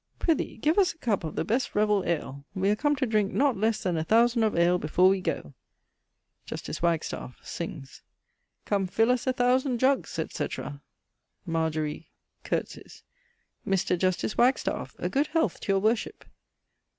_ Prithee, give us a cup of the best revell ale. We are come to drinke not less then 1000 of ale before we goe. Justice Wagstaffe. Come, fill us a 1000 jugges, etc. Margery (curtsies). Mr. Justice Wagstaffe, a good health to your worship!